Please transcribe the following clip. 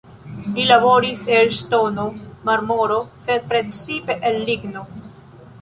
Li laboris el ŝtono, marmoro, sed precipe el ligno.